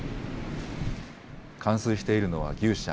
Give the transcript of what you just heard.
冠水しているのは牛舎。